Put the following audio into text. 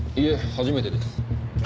初めてです。